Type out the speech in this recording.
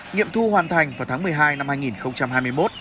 nghiệm thu hoàn thành vào tháng một mươi hai năm hai nghìn hai mươi một